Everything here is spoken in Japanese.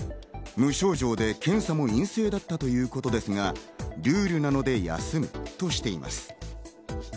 無症状で検査も陰性だったということですが、ルールなので休むとしています。